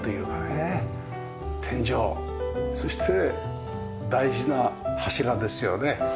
天井そして大事な柱ですよね。